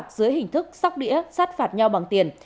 tổ công tác dưới hình thức sóc đĩa sát phạt nhau bằng tiền